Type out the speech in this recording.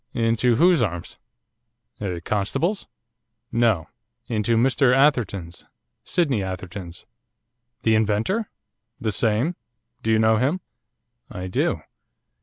'Into whose arms, a constable's?' 'No; into Mr Atherton's, Sydney Atherton's.' 'The inventor?' 'The same. Do you know him?' 'I do.